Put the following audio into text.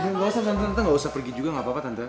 nggak usah tante ntah gak usah pergi juga gak apa apa tante